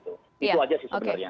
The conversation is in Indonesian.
itu aja sih sebenarnya